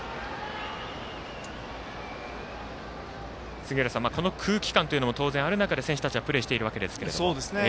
杉浦さん、この空気感というのも当然ある中で選手たちはプレーしているわけですけれども。